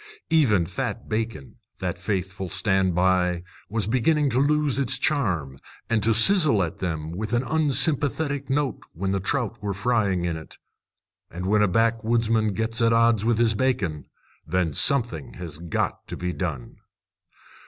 Even fat bacon, that faithful stand by, was beginning to lose its charm, and to sizzle at them with an unsympathetic note when the trout were frying in it. And when a backwoodsman gets at odds with his bacon, then something has got to be done.